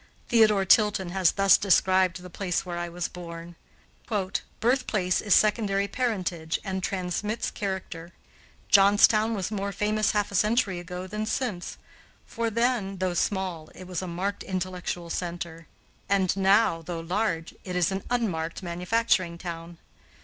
Theodore Tilton has thus described the place where I was born: "Birthplace is secondary parentage, and transmits character. Johnstown was more famous half a century ago than since; for then, though small, it was a marked intellectual center; and now, though large, it is an unmarked manufacturing town.